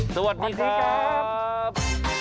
สวัสดีครับ